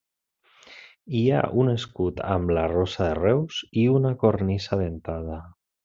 Hi ha un escut amb la rosa de Reus i una cornisa dentada.